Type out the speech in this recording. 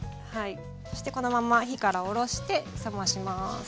そしてこのまんま火から下ろして冷まします。